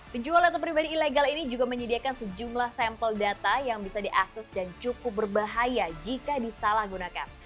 penjual data pribadi ilegal ini juga menyediakan sejumlah sampel data yang bisa diakses dan cukup berbahaya jika disalahgunakan